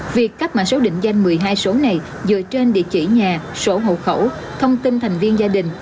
việc cấp mã số định danh một mươi hai số này dựa trên địa chỉ nhà số hộ khẩu thông tin thành viên gia đình